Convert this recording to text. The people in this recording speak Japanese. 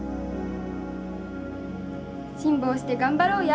辛抱して頑張ろうや。